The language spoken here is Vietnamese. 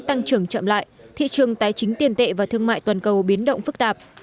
tăng trưởng chậm lại thị trường tài chính tiền tệ và thương mại toàn cầu biến động phức tạp